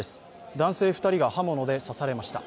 男性２人が刃物で刺されました。